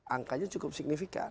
angkanya cukup signifikan